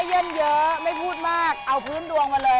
วันนี้ไม่ย่ิ่มเยอะไม่พูดมากเอาพื้นดวงมาเลย